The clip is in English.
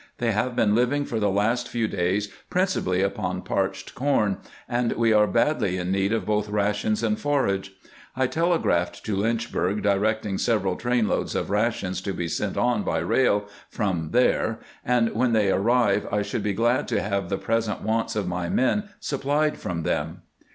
They have been living for the last few days principally upon parched corn, and we are badly in need of both rations and forage. I telegraphed to Lynchburg, directing several train loads of rations to be sent on by rail from there, and when they arrive I should be glad to have the present wants of my men supplied from them."